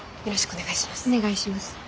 お願いします。